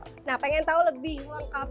nah pengen tahu lebih